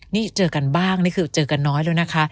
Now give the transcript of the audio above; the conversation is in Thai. นี่เจอกันบ้างนี่คือเจอกันน้อยแล้วนะคะ